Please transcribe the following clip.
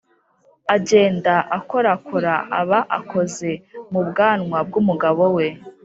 agenda akorakora aba akoze mu bwanwa bw'umugabo we